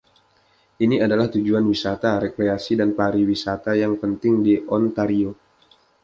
Ini adalah tujuan wisata, rekreasi dan pariwisata yang penting di Ontario.